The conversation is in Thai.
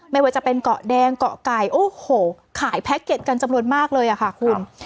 ไม่ว่าจะเป็นเกาะแดงเกาะไก่โอ้โหขายแพ็คเก็ตกันจำนวนมากเลยค่ะคุณ